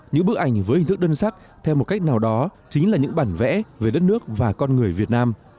những bức ảnh với hình thức đơn sắc theo một cách nào đó chính là những bản vẽ về đất nước và con người việt nam